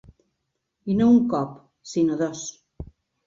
I no un cop, sinó dos.